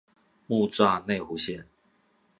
木柵內湖線